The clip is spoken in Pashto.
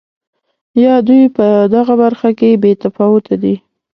یا دوی په دغه برخه کې بې تفاوته دي.